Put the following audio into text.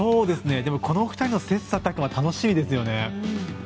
この２人の切磋琢磨楽しみですよね。